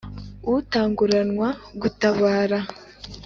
utanguranwa gutabara.